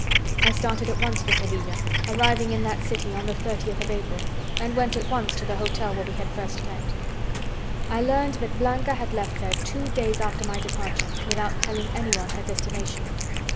I started at once for Sevilla, arriving in that city on the thirtieth of April, and went at once to the hotel where we had first met. I learned that Blanca had left there two days after my departure without telling anyone her destination.